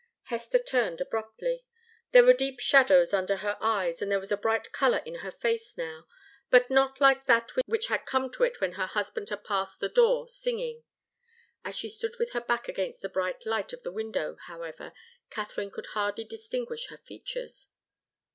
Hester turned abruptly. There were deep shadows under her eyes, and there was a bright colour in her face now, but not like that which had come to it when her husband had passed the door, singing. As she stood with her back against the bright light of the window, however, Katharine could hardly distinguish her features.